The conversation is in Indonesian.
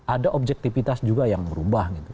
ada objektivitas juga yang berubah gitu